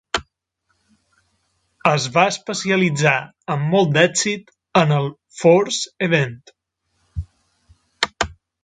Es va especialitzar amb molt d'èxit en el "Fours Event".